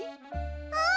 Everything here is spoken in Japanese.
うん。